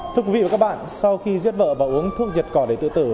thưa quý vị và các bạn sau khi giết vợ và uống thuốc diệt cỏ để tự tử